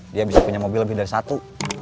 dia bisa punya mobil lebih dari satu